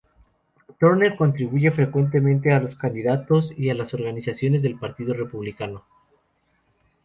Turner contribuye frecuentemente a los candidatos y a las organizaciones del Partido Republicano.